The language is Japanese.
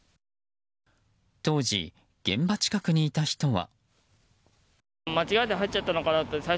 当時、現場近くにいた人は。